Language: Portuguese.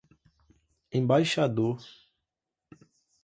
embaixador